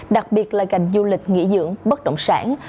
đặc biệt là ngành du lịch nghỉ dưỡng bất động sản